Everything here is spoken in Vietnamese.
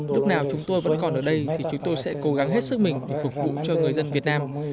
lúc nào chúng tôi vẫn còn ở đây thì chúng tôi sẽ cố gắng hết sức mình để phục vụ cho người dân việt nam